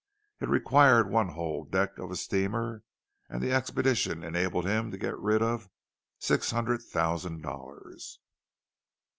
It required one whole deck of a steamer, and the expedition enabled him to get rid of six hundred thousand dollars.